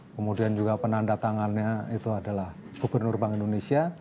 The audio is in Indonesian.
kemudian juga penanda tangannya itu adalah gubernur bank indonesia